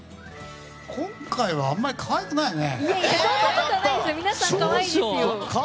今回はあんまり可愛くないね。